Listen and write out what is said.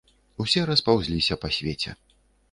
Усе распаўзліся па свеце.